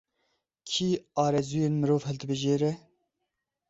Kî arezûyên mirov hildibijêre?